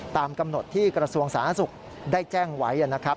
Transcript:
ตามกำหนดที่กระทรวงสาธารณสุขได้แจ้งไว้นะครับ